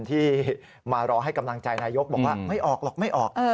ที่มารอให้กำลังใจนายกบอกว่าไม่ออกหรอกไม่ออก